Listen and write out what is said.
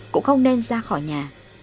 cũng không nên ra khỏi nhà